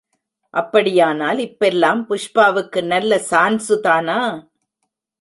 அப்படியானால் இப்பல்லாம் புஷ்பாவுக்கு நல்ல சான்ஸு தானா?